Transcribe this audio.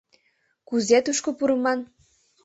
— Кузе тушко пурыман?